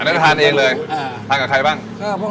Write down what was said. อันนั้นทานกับใครบ้าง